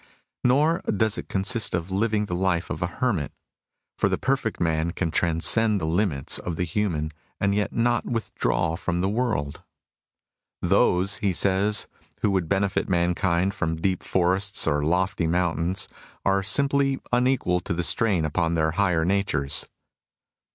Nor does it consist in living the life of a hermit. For the perfect man can transcend the limits of the human and yet not withdraw from the world.'* DECLINE OP TAOISM 36 " Those/' he says, " who would benefit mankind from deep forests or lofty mountains are simply unequal to the strain upon their higher natures."